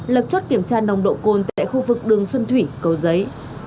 lập chốt kiểm tra nồng độ cồn tại khu vực đường xuân thủy cầu giấy